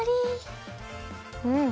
うん！